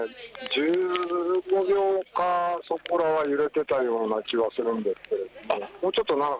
１５秒かそこらは揺れていたような気はするんですけれども。